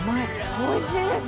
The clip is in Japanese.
おいしいです。